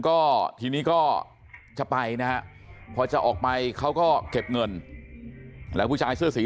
ก็ทีนี้ก็จะไปนะฮะพอจะออกไปเขาก็เก็บเงินแล้วผู้ชายเสื้อสี